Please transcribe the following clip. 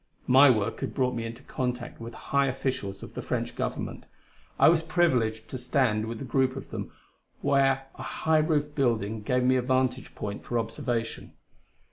My work had brought me into contact with high officials of the French Government; I was privileged to stand with a group of them where a high roofed building gave a vantage point for observation.